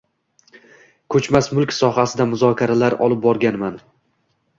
koʻchmas mulk sohasida muzokaralar olib borganman.